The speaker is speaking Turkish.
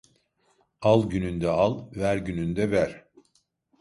Al gününde al; ver gününde ver.